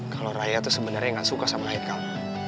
kalau raya tuh sebenernya gak suka sama hai kal